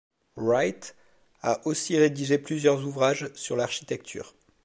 Wright a aussi rédigé plusieurs ouvrages sur l'architecture.